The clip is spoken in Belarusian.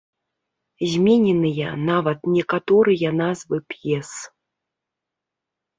Змененыя нават некаторыя назвы п'ес.